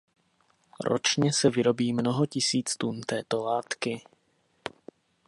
Ročně se vyrobí mnoho tisíc tun této látky.